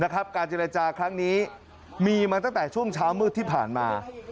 การเจรจาครั้งนี้มีมาตั้งแต่ช่วงเช้ามืดที่ผ่านมา